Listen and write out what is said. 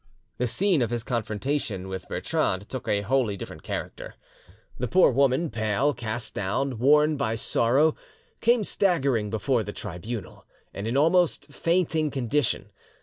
The scene of his confrontation with Bertrande took a wholly different character. The poor woman, pale, cast down, worn by sorrow, came staggering before the tribunal, in an almost fainting condition.